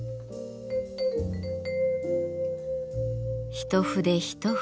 一筆一筆